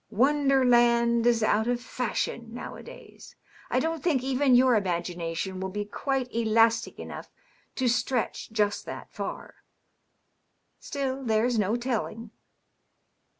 " Wonder land is out of fashion nowadays. I don't think even your imagination will be quite elastic enough to stretch just that fiir. Still, there's no telling."